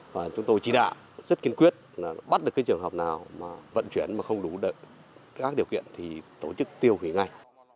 và chúng tôi chỉ đạo rất kiên quyết bắt được cái trường hợp nào vận chuyển mà không đủ các điều kiện thì tổ chức tiêu khủy ngay